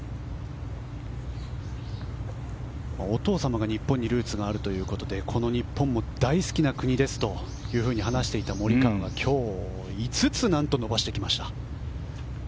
お父様が日本にルーツがあるということでこの日本も大好きな国ですと話していたモリカワが今日５つ何と伸ばしてきました。